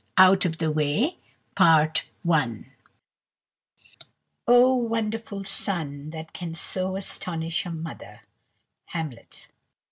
"OUT OF THE WAY" "Oh wonderful Son that can so astonish a Mother!" HAMLET.